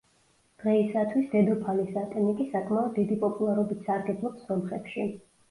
დღეისათვის დედოფალი სატენიკი საკმაოდ დიდი პოპულარობით სარგებლობს სომხებში.